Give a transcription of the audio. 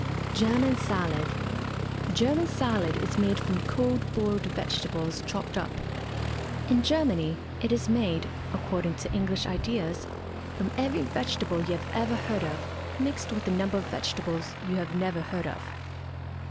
GERMAN SALAD. German salad is made from cold boiled vegetables chopped up. In Germany, it is made, according to English ideas, from every vegetable you have ever heard of, mixed with a number of vegetables you have never heard of.